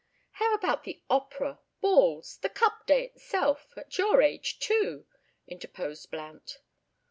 "How about the opera, balls, the Cup Day itself, at your age too?" interposed Blount.